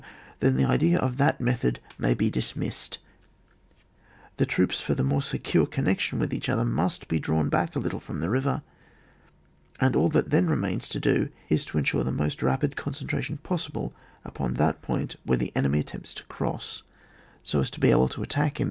then the idea of that method may be dismissed: the troops for the more secure connection with each other must be drawn back a little from the river, and all that then remains to do is to ensure the most rapid concentration possible upon that point where the enemy attempts to cross, so as to be able to attack hin^.